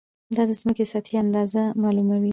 دا د ځمکې د سطحې اندازه معلوموي.